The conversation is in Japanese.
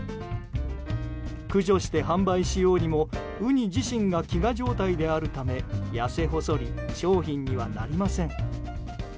駆除して販売しようにもウニ自身が飢餓状態であるためやせ細り、商品にはなりません。